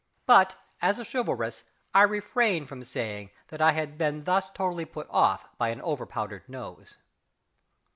But, as a chivalrous, I refrained from saying that I had been thus totally put off by an over powdered nose.